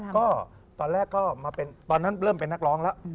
ก็ตอนแรกก็มาเป็นตอนนั้นเริ่มเป็นนักร้องแล้ว